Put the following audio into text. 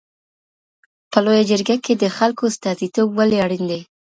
په لویه جرګه کي د خلګو استازیتوب ولي اړین دی؟